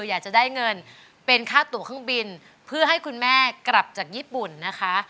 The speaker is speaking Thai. อยากจะได้เงินเป็นค่าตัวเครื่องบินเพื่อให้คุณแม่กลับจากญี่ปุ่นนะคะ